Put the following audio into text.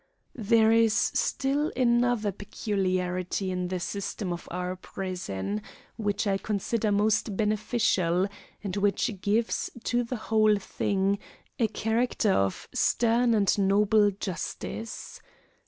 There is still another peculiarity in the system of our prison, which I consider most beneficial, and which gives to the whole thing a character of stern and noble justice.